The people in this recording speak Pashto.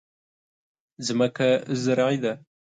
ځمکه زرعي ده.